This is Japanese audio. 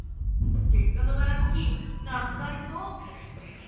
結果のばらつきなくなりそう？